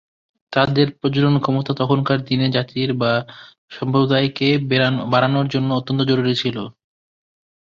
তাদের প্রজনন ক্ষমতা তখনকার দিনে জাতির বা সম্প্রদায় কে বাড়ানোর জন্যে অত্যন্ত জরুরি ছিল।